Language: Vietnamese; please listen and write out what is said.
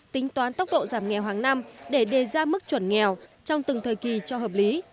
tính toán tốc độ giảm nghèo hàng năm để đề ra mức chuẩn nghèo trong từng thời kỳ cho hợp lý